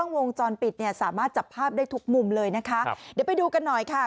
วงจรปิดเนี่ยสามารถจับภาพได้ทุกมุมเลยนะคะครับเดี๋ยวไปดูกันหน่อยค่ะ